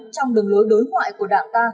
trong đường lối đối ngoại của đảng ta